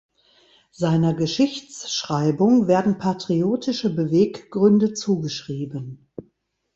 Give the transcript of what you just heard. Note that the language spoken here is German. Seiner Geschichtsschreibung werden patriotische Beweggründe zugeschrieben.